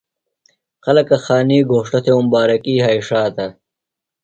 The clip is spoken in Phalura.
خلکہ خانی گھوݜٹہ تھے اُمبارکی یھائی ݜاتہ۔